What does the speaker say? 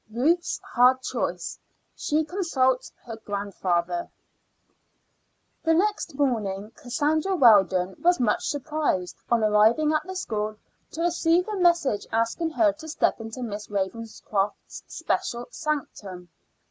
RUTH'S HARD CHOICE: SHE CONSULTS HER GRANDFATHER. The next morning Cassandra Weldon was much surprised, on arriving at the school, to receive a message asking her to step into Miss Ravenscroft's special sanctum.